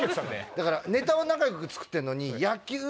だからネタは仲良く作ってんのに。